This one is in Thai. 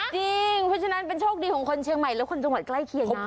จริงเพราะฉะนั้นเป็นโชคดีของคนเชียงใหม่และคนจังหวัดใกล้เคียงนะ